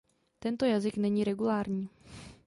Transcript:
Tento jazyk není regulární.